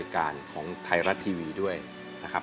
สีหน้าร้องได้หรือว่าร้องผิดครับ